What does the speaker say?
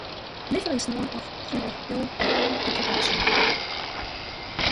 Little is known of chiroteuthid reproduction.